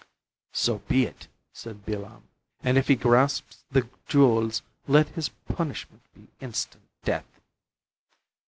"So be it," said Bilam, "and if he grasps the jewels let his punishment be instant death."